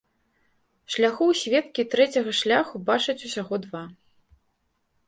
Шляхоў сведкі трэцяга шляху бачаць усяго два.